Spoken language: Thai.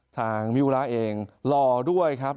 ทางมิวระเองรอด้วยครับ